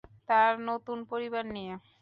তার নতুন পরিবার নিয়ে।